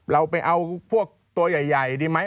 เราไปเอาพวกตัวใหญ่ดีไหม